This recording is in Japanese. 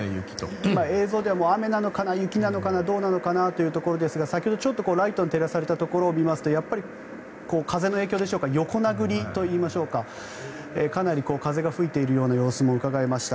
映像では雨なのかな雪なのかなどうかのかなというところですが先ほどライトに照らされたところを見ますと風の影響ですか横殴りといいましょうかかなり風が吹いているような様子もうかがえました。